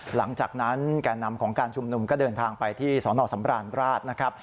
หลังจากนั้นแก่นำของการชุมนุมก็เดินทางไปที่สนสำราญราชนะครับ